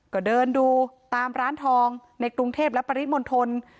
ก็เดินดูตามร้านทองในกรุงเทพและปริมณฑล